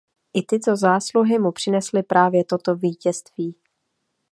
I tyto zásluhy mu přinesly právě toto vítězství.